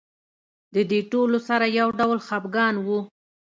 د دې ټولو سره یو ډول خپګان و.